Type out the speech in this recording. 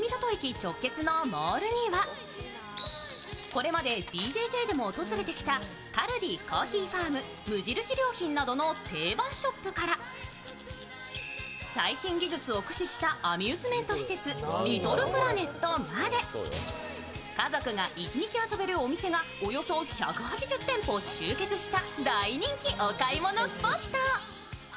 これまでＢＪＪでも訪れてきたカルディコーヒーファーム、無印良品などの定番ショップから最新技術を駆使したアミューズメント施設、リトルプラネットまで家族が一日遊べるお店がおよそ１８０店舗集結した大人気お買い物スポット。